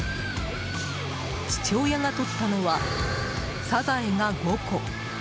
父親がとったのはサザエが５個。